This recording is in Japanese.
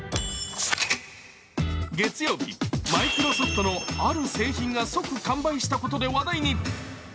月曜日、マイクロソフトのある製品が側完売したことで話題に。